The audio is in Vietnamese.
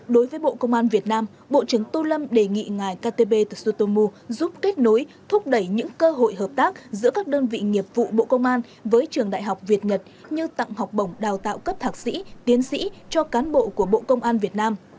đối với bộ công an việt nam bộ trưởng tô lâm đề nghị ngài takebe tsutomu giúp kết nối thúc đẩy những cơ hội hợp tác giữa các đơn vị nghiệp vụ bộ công an với trường đại học việt nhật như tặng học bổng đào tạo cấp thạc sĩ tiến sĩ cho cán bộ của bộ công an việt nam